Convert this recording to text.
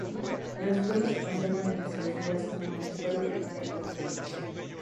La escuela se conserva en nuestros días, como escuela primaria con el mismo nombre.